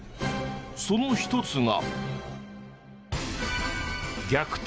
その一つが。